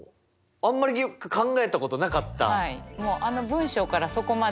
あんまり考えたことなかった。